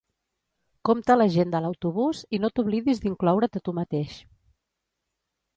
Compta la gent de l'autobús, i no t'oblidis d'incloure't a tu mateix.